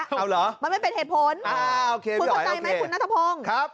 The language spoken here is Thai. อ้าวเหรอมันไม่เป็นเหตุผลคุณภัทรไตรไหมคุณนัทธพงศ์